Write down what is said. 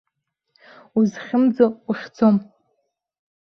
Узхьымӡо ухьӡом.